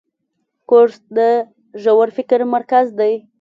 کورس د ژور فکر مرکز دی.